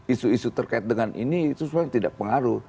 isu isu terkait dengan ini itu sebenarnya tidak pengaruh